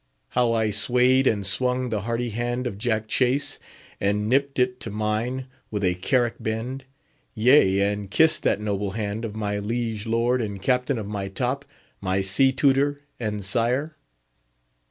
How I swayed and swung the hearty hand of Jack Chase, and nipped it to mine with a Carrick bend; yea, and kissed that noble hand of my liege lord and captain of my top, my sea tutor and sire?